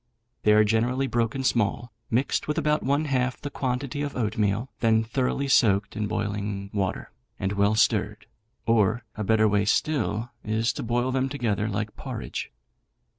They are generally broken small, mixed with about one half the quantity of oatmeal, then thoroughly soaked in boiling water, and well stirred; or, a better way still is to boil them together like porridge.